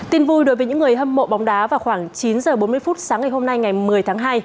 tin vui đối với những người hâm mộ bóng đá vào khoảng chín h bốn mươi phút sáng ngày hôm nay ngày một mươi tháng hai